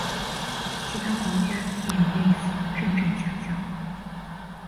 其他国家也有类似认证奖项。